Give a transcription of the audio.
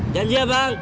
janji ya bang